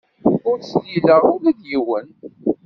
Ur d-ssiliɣeɣ ula d yiwen.